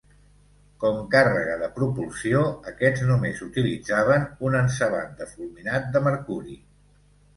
Com càrrega de propulsió aquests només utilitzaven un encebat de fulminat de mercuri.